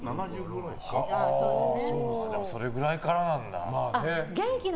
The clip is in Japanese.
それぐらいからなんだ。